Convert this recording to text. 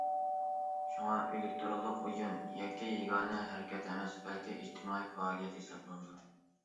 شۇڭا ئېلېكتىرونلۇق ئويۇن يەككە يېگانە ھەرىكەت ئەمەس بەلكى ئىجتىمائىي پائالىيەت ھېسابلىنىدۇ.